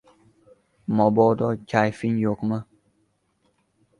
— Mabodo kayfing yo‘qmi?